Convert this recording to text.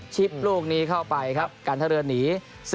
ลูกนี้เข้าไปครับการท่าเรือหนี